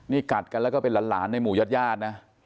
นี่กัดกันแล้วก็เป็นหลานในหมู่ญาติญาตินะ